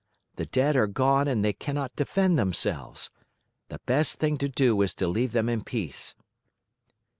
The dead are gone and they cannot defend themselves. The best thing to do is to leave them in peace!"